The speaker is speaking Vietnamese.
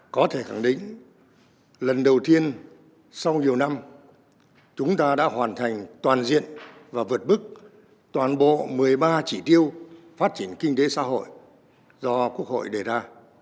có thể khẳng định lần đầu tiên sau nhiều năm chúng ta đã hoàn thành toàn diện và vượt bức toàn bộ một mươi ba chỉ tiêu phát triển kinh tế xã hội do quốc hội đề ra